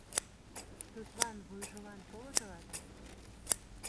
Тудлан вуйжылан толжо ыле!